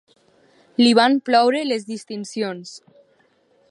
Li van ploure les distincions.